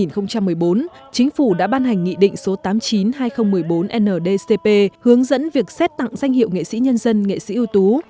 năm hai nghìn một mươi bốn chính phủ đã ban hành nghị định số tám mươi chín hai nghìn một mươi bốn ndcp hướng dẫn việc xét tặng danh hiệu nghệ sĩ nhân dân nghệ sĩ ưu tú